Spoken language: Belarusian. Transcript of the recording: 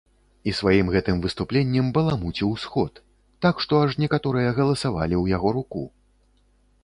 І сваім гэтым выступленнем баламуціў сход, так што аж некаторыя галасавалі ў яго руку.